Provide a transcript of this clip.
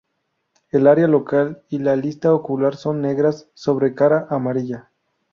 El área loreal y la lista ocular son negras sobre cara amarilla.